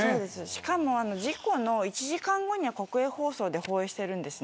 しかも、事故の１時間後には国営放送で放映してるんです。